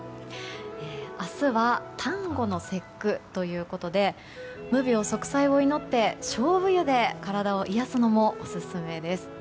明日は端午の節句ということで無病息災を祈ってショウブ湯で体を癒やすのもオススメです。